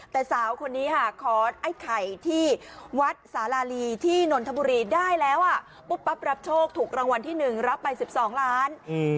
แต่สาวคนนี้ค่ะขอไอ้ไข่ที่วัดสาลาลีที่นนทบุรีได้แล้วอ่ะปุ๊บปั๊บรับโชคถูกรางวัลที่๑รับไป๑๒ล้าน